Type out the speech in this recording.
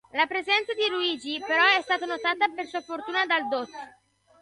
La presenza di Luigi però è stata notata per sua fortuna dal dott.